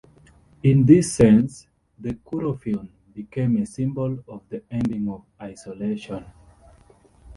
In this sense, the kurofune became a symbol of the ending of isolation.